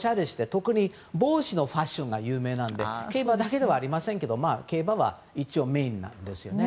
特に、帽子のファッションが有名なので競馬だけではありませんけど競馬は一応メインなんですよね。